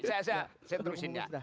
saya terusin ya